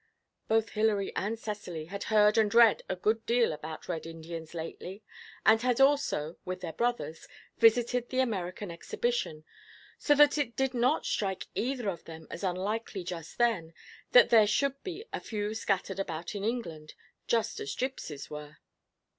Both Hilary and Cecily had heard and read a good deal about Red Indians lately, and had also, with their brothers, visited the American Exhibition, so that it did not strike either of them as unlikely just then that there should be a few scattered about in England, just as gipsies are.